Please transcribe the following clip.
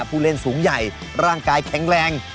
ผู้เล่นสูงใหญ่ร่างกายแข็งแรง